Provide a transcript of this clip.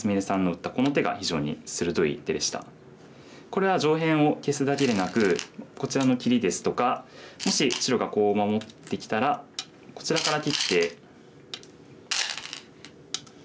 これは上辺を消すだけでなくこちらの切りですとかもし白がこう守ってきたらこちらから切って。